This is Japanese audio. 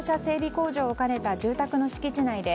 工場を兼ねた住宅の敷地内で